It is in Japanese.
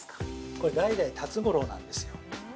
◆これ代々、辰五郎なんですよ。